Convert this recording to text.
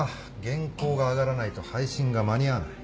原稿が上がらないと配信が間に合わない。